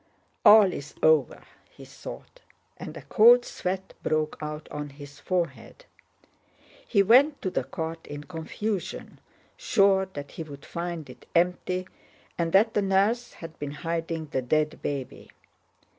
"All is over," he thought, and a cold sweat broke out on his forehead. He went to the cot in confusion, sure that he would find it empty and that the nurse had been hiding the dead baby.